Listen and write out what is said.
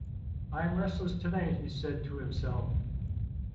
"I'm restless tonight," he said to himself.